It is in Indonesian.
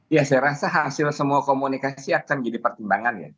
ya saya rasa hasil semua komunikasi akan jadi pertimbangan ya